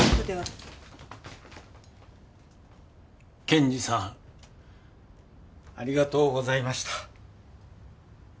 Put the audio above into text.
検事さんありがとうございました。